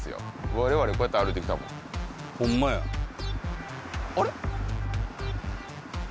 我々こうやって歩いてきたもんホンマやあれ？